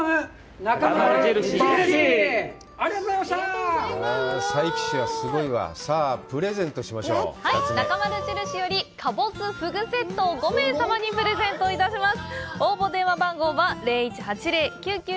なかまる印よりかぼすフグセットを５名様にプレゼントします。